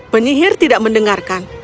penyihir tidak mendengarkan